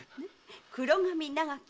「黒髪長き